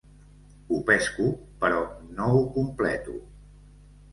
Ho pesco, però no ho completo.